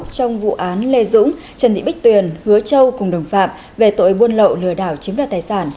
trong vụ án lê dũng trần thị bích tuyền hứa châu cùng đồng phạm về tội buôn lậu lừa đảo chiếm đoạt tài sản